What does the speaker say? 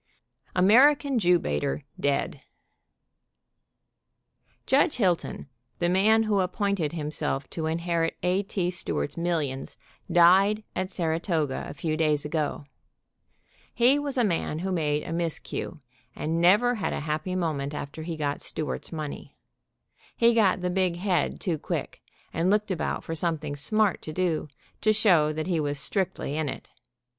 tio AMERICAN JEW BAITER DEAD. Judge Hilton, the man who appointed himself to inherit A. T. Stewart's millions, died at Saratoga a few days ago. He was a man who made a miscue, and never had a happy moment after he got Stewart's money. He got the bighead too quick, and looked about for something smart to do, to show that he was strictly in it.